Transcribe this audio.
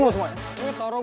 udah beli es teh manis gak